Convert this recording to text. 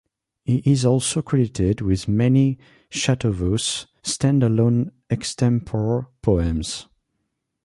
He is also credited with many chatuvus, stand-alone extempore poems.